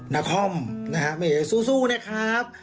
นาคอมนะฮะเมย์สู้นะครับ